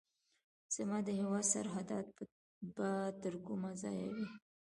زما د هیواد سرحدات به تر کومه ځایه وي.